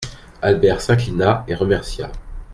Albert s'inclina et remercia.